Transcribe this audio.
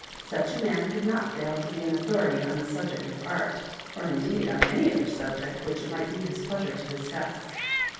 Such a man couki not fieul to be an authmty on the subject of art; or, indeed, on any other subject which it might be bis plea sure to discuss.